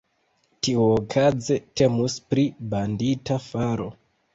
Tiuokaze, temus pri bandita faro.